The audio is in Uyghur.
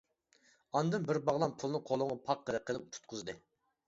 ئاندىن بىر باغلام پۇلنى قولۇمغا پاققىدە قىلىپ تۇتقۇزدى.